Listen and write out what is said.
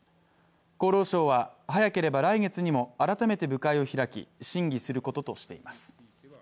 厚労省は早ければ来月にも改めて部会を開き、審議することとしています。